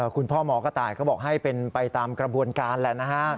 คุณพ่อหมอกระต่ายก็บอกให้เป็นไปตามกระบวนการแหละนะฮะ